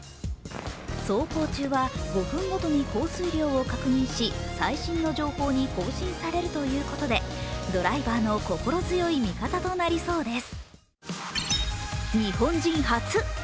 走行中は５分ごとに降水量を確認し最新の情報に更新されるということで、ドライバーの心強い味方となりそうです。